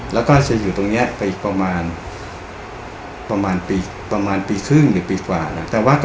แล้วก็จะอยู่ตรงเนี่ยไปประมาณปีครึ่งหรือปีกว่านะครับ